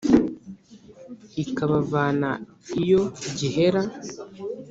ikabavana iyo gihera :